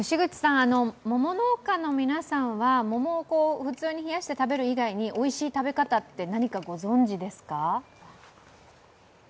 桃農家の皆さんは桃を普通に冷やして食べる以外においしい食べ方って、何かご存じですか。